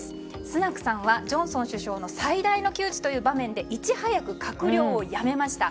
スナクさんはジョンソン首相の最大の窮地という場面でいち早く閣僚を辞めました。